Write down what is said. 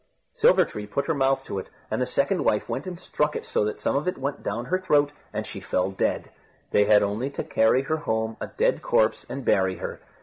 Silver tree put her mouth to it, and the second wife went and struck it so that some of it went down her throat, and she fell dead. They had only to carry her home a dead corpse and bury her.